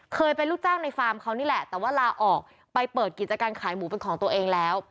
เคยเป็นลูกจ้างในฟาร์มเขานี่แหละแต่ว่าลาออกไปเปิดกิจการขายหมูเป็นของตัวเองแล้ว